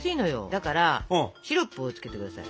だからシロップをつけて下さい。